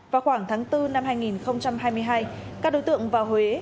vào khoảng tháng bốn năm hai nghìn hai mươi hai các đối tượng vào huế